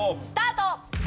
スタート！